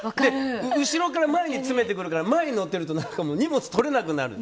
後ろから前に詰めてくるから前に乗ってると荷物が取れなくなる。